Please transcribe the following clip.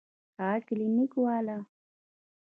هغه کلينيک والا.